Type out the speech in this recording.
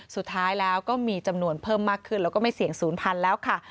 สุดท้ายแล้วก็มีจำนวนเพิ่มมากขึ้นแล้วก็ไม่เสี่ยง๐๐แล้วค่ะ